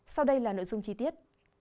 sau đây là nội dung chi tiết